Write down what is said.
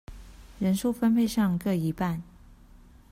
人數分配上各一半